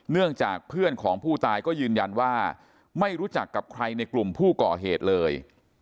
เนื่องจากเพื่อนของผู้ตายก็ยืนยันว่าไม่รู้จักกับใครในกลุ่มผู้ก่อเหตุเลย